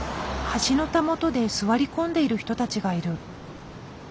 橋のたもとで座り込んでいる人たちがいる。